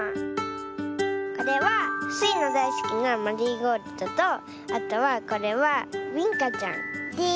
これはスイのだいすきなマリーゴールドとあとはこれはビンカちゃんです。